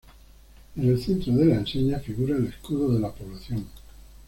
En el centro de la enseña figura el escudo de la población.